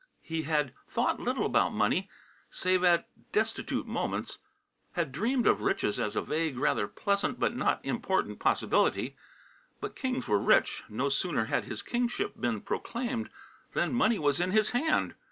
He had thought little about money, save at destitute moments; had dreamed of riches as a vague, rather pleasant and not important possibility. But kings were rich; no sooner had his kingship been proclaimed than money was in his hand.